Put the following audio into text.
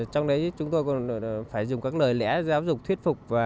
trong đấy chúng tôi còn phải dùng các lời lẽ giáo dục thuyết phục